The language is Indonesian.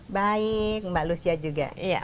baik mbak lucia juga